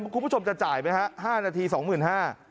คุณผู้ชมจะจ่ายไหมฮะห้านาทีสองหมื่นห้า